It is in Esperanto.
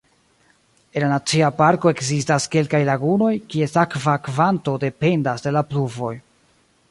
En la nacia parko ekzistas kelkaj lagunoj, kies akva kvanto dependas de la pluvoj.